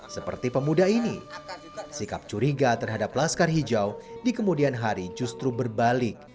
seperti pemuda ini sikap curiga terhadap laskar hijau di kemudian hari justru berbalik